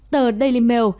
tờ daily mail